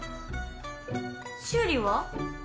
修理は？